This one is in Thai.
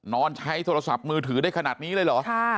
นอนใช้โทรศัพท์มือถือได้ขนาดนี้เลยเหรอ